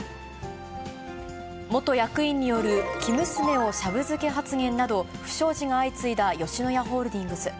元役員による、生娘をシャブ漬け発言など、不祥事が相次いだ吉野家ホールディングス。